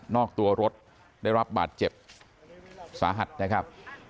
อกตัวรถได้รับบาดเจ็บสาหัสนะครับ